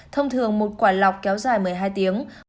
thông thường một quả lọc kéo dài một mươi hai tiếng